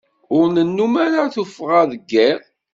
Ur nennum ara tuffɣa deg iḍ.